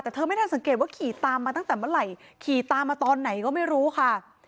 แต่เธอไม่ทันสังเกตว่าขี่ตามมาตั้งแต่เมื่อไหร่ขี่ตามมาตอนไหนก็ไม่รู้ค่ะ